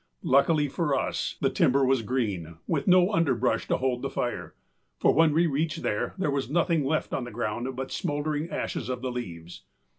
Luckily for us the timber was green, with no underbrush to hold the fire, for when we reached there, there was nothing left on the ground but the smouldering ashes of the leaves.